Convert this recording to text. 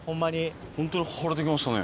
ホントに晴れてきましたね。